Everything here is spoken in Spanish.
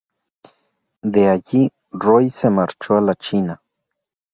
De allí, Roy se marchó a la China.